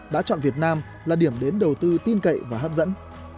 đã chọn việt nam là điểm đến đầu tư tin cậy và hấp dẫn